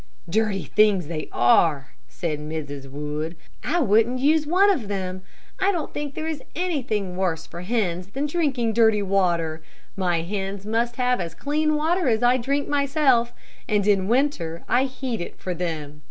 "Dirty things they are," said Mrs. Wood; "I wouldn't use one of them. I don't think there is anything worse for hens than drinking dirty water. My hens must have as clean water as I drink myself, and in winter I heat it for them.